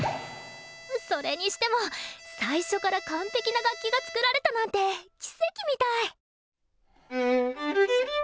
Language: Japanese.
それにしても最初から完璧な楽器が作られたなんて奇跡みたい！